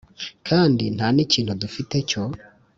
kandi nta n ikintu dufite cyo